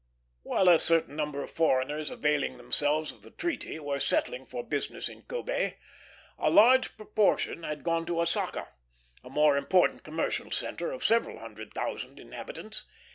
While a certain number of foreigners, availing themselves of the treaty, were settling for business in Kobé, a large proportion had gone to Osaka, a more important commercial centre, of several hundred thousand inhabitants.